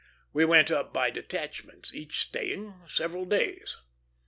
We went up by detachments, each staying several days.